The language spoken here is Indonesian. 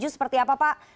seperti apa pak